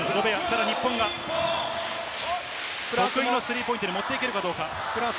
ただ日本、得意のスリーポイントに持っていけるかどうか。